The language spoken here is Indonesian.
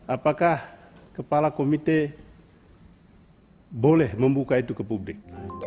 apakah kepala komite boleh membuka itu ke publik